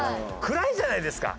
暗いじゃないですか。